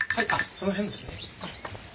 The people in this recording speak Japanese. その辺ですね。